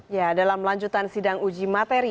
ya dalam melanjutan sindang uji materi